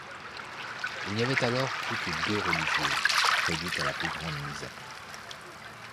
Il n'y avait alors plus que deux religieuses, réduites à la plus grande misère.